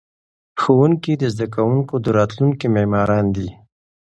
ښوونکي د زده کوونکو د راتلونکي معماران دي.